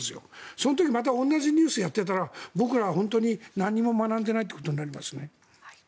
その時、また同じニュースをやっていたら僕ら、本当に何も学んでいないということになりますね。